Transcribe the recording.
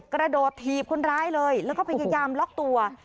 กระโดดถีบคนร้ายเลยแล้วก็พยายามล็อกตัว